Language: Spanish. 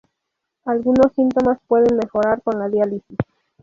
Algunos síntomas pueden mejorar con la diálisis.